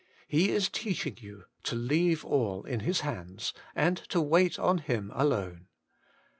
He is teaching you to leave all in His hands, and to wait on Him alone.